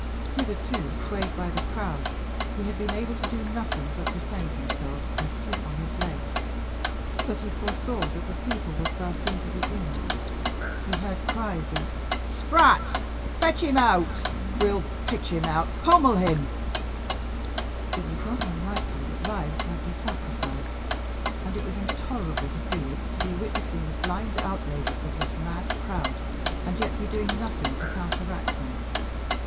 Hitherto swayed by the crowd, he had been able to do nothing but defend himself and keep on his legs; but he foresaw that the people would burst into the inn; he heard cries of "Spratt!" "Fetch him out!" "We'll pitch him out!" "Pummel him!" It was not unlikely that lives might be sacrificed; and it was intolerable to Felix to be witnessing the blind outrages of this mad crowd, and yet be doing nothing to counteract them.